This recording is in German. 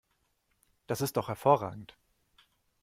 Das ist doch hervorragend!